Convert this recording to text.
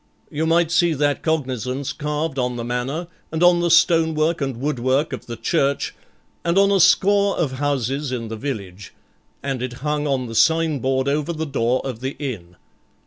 You might see that cognizance carved on the manor, and on the stonework and woodwork of the church, and on a score of houses in the village, and it hung on the signboard over the door of the inn.